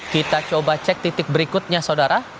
kita coba cek titik berikutnya saudara